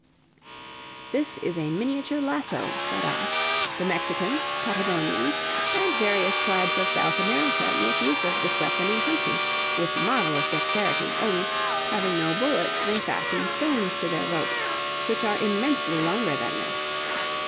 "This is a miniature lasso," said I; "the Mexicans, Patagonians, and various tribes of South America, make use of this weapon in hunting, with marvelous dexterity, only, having no bullets, they fasten stones to their ropes, which are immensely longer than this.